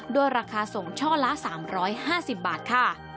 ราคาส่งช่อละ๓๕๐บาทค่ะ